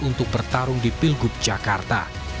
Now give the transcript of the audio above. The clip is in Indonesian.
untuk bertarung di pilgub jakarta